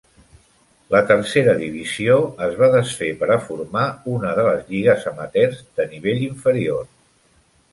La Tercera Divisió es va desfer per a formar una les Lligues Amateurs de nivell inferior.